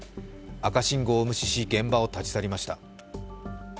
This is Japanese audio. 赤信号を無視し、現場を立ち去りました。